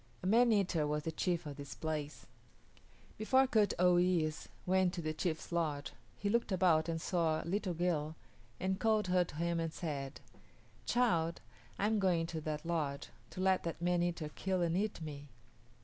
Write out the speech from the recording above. A man eater was the chief of this place. Before Kut o yis´ went to the chief's lodge he looked about and saw a little girl and called her to him and said, "Child, I am going into that lodge, to let that man eater kill and eat me.